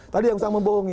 tadi yang saya membohongi